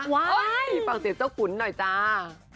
ฟังเสียงเจ้าขุนหน่อยจ้า